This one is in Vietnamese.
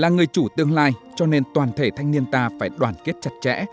là người chủ tương lai cho nên toàn thể thanh niên ta phải đoàn kết chặt chẽ